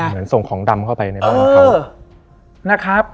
เหมือนส่งของดำเข้าไปในบ้านเขานะครับ